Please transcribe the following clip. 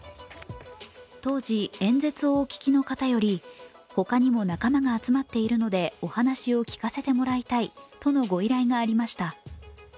当時、演説をお聞きの方より、仲間が集まっているのでお話を聞かせてもらいたいとのご依頼がありました。